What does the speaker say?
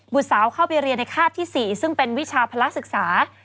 สาวเข้าไปเรียนในคาดที่๔ซึ่งเป็นวิชาภาระศึกษา